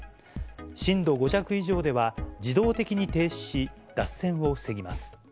震度５弱以上では、自動的に停止し、脱線を防ぎます。